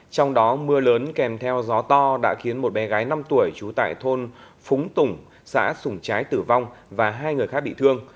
trong đó mưa lớn kèm theo gió to đã khiến một bé gái năm tuổi trú tại thôn phúng tùng xã sủng trái tử vong và hai người khác bị thương